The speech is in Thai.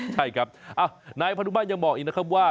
ใช่ครับนายพนุมาตรยังบอกอีกนะครับว่า